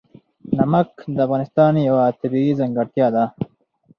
نمک د افغانستان یوه طبیعي ځانګړتیا ده.